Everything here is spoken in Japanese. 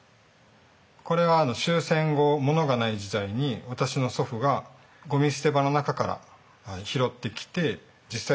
これは終戦後物がない時代に私の祖父がごみ捨て場の中から拾ってきて実際使ってたものです。